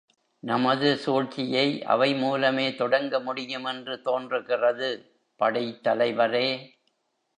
நமது சூழ்ச்சியை அவை மூலமே தொடங்க முடியுமென்று தோன்றுகிறது. படைத் தலைவரே!